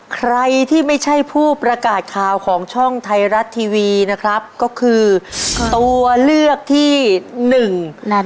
ใครที่ไม่ใช่ผู้ประกาศข่าวของช่องไทยรัฐทีวีนะครับก็คือตัวเลือกที่หนึ่ง